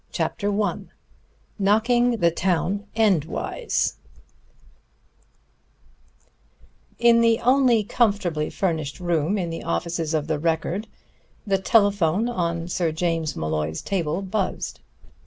CHAPTER I KNOCKING THE TOWN ENDWAYS In the only comfortably furnished room in the offices of the Record, the telephone on Sir James Molloy's table buzzed.